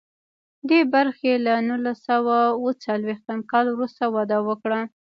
دې برخې له نولس سوه اوه څلویښتم کال وروسته وده وکړه.